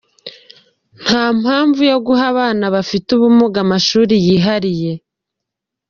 Nta mpamvu yo guha abana bafite ubumuga amashuri yihariye.